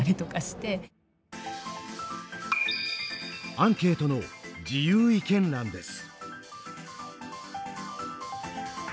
アンケートの自由意見欄です。